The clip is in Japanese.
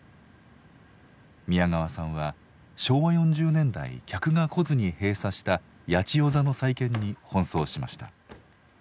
宮川さんは昭和４０年代客が来ずに閉鎖した八千代座の再建に奔走しました。